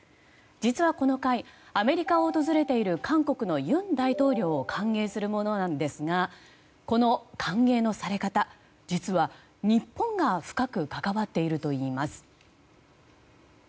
実は、この会アメリカを訪れている韓国の尹大統領を歓迎するものなんですがこの歓迎のされ方実は、日本が深く関わっているといいます。